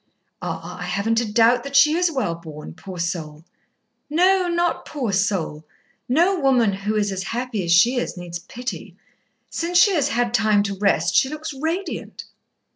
"Ah! I haven't a doubt that she is well born, poor soul." "No, not 'poor soul.' No woman who is as happy as she is needs pity. Since she has had time to rest, she looks radiant."